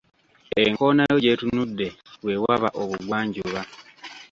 Enkoona yo gy'etunudde we waba obugwanjuba